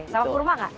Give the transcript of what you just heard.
sama kurma gak